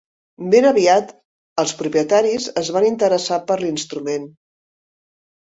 Ben aviat els propietaris, es van interessar per l'instrument.